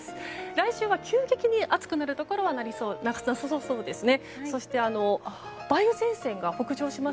来週は急激に暑くなるところはなさそうですね。